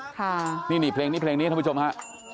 ค่ะนี่เพลงที่ท่านผู้ชมฮะ